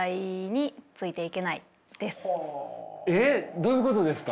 えどういうことですか？